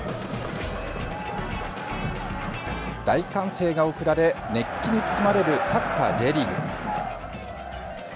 大歓声が送られ熱気に包まれるサッカーＪリーグ。